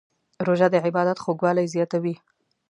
روژه د عبادت خوږوالی زیاتوي.